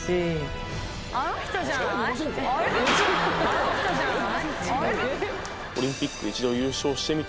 あの人じゃない？